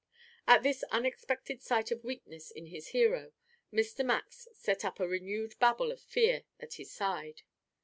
At this unexpected sight of weakness in his hero, Mr. Max set up a renewed babble of fear at his side.